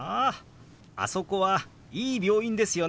あそこはいい病院ですよね。